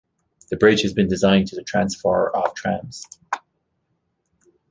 The bridge has been designed to the transfer of trams.